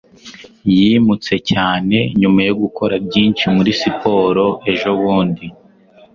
yimutse cyane nyuma yo gukora byinshi muri siporo ejobundi